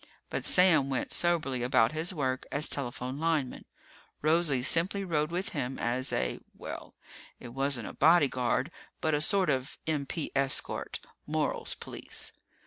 But Sam went soberly about his work as telephone lineman. Rosie simply rode with him as a well, it wasn't as a bodyguard, but a sort of M.P. escort Morals Police.